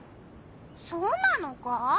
そうなのか？